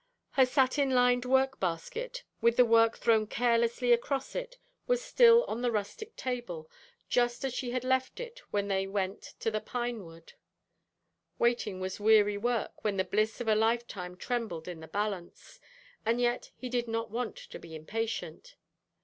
Her satin lined workbasket, with the work thrown carelessly across it, was still on the rustic table, just as she had left it when they went to the pine wood. Waiting was weary work when the bliss of a lifetime trembled in the balance; and yet he did not want to be impatient.